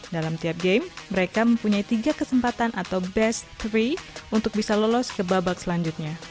dalam tiap game mereka mempunyai tiga kesempatan atau best tiga untuk bisa lolos ke babak selanjutnya